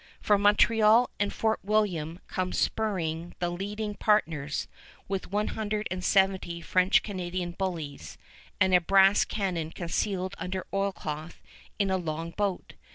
From Montreal and Fort William come spurring the leading partners, with one hundred and seventy French Canadian bullies, and a brass cannon concealed under oilcloth in a long boat.